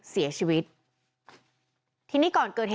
ตายหนึ่ง